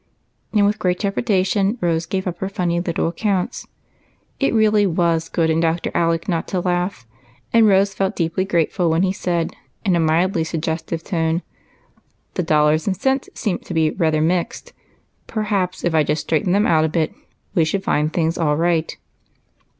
And with great trepidation Rose gave up her funny little accounts. It really vms good in Dr. Alec not to laugh, and Rose felt deeply grateful when he said, in a mildly suggestive tone, —" The dollars and cents seem to be rather mixed ; perhaps if I just straightened them out a bit we should find things all right." AND WHAT CAME OF IT.